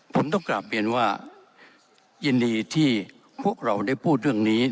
ผมต้องกลับเรียนว่ายินดีที่พวกเราได้พูดเรื่องนี้